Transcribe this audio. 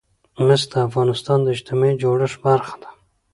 مس د افغانستان د اجتماعي جوړښت برخه ده.